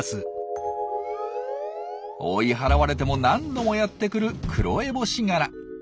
追い払われても何度もやって来るクロエボシガラ。